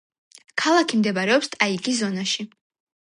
ქალაქი მდებარეობს ტაიგის ზონაში.